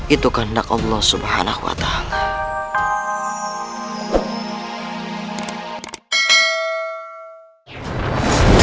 itu kandak allah subhanahu wa ta'ala